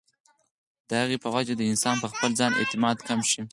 د هغې پۀ وجه د انسان پۀ خپل ځان اعتماد کم شي